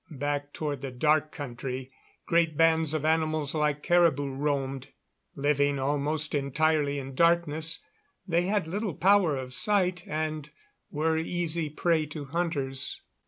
Back toward the Dark Country great bands of animals like caribou roamed. Living almost entirely in darkness, they had little power of sight, and were easy prey to hunters.